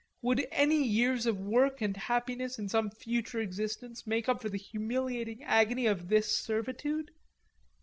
Would any years of work and happiness in some future existence make up for the humiliating agony of this servitude?